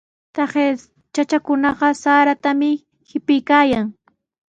Taqay chachakunaqa saratami tipiykaayan.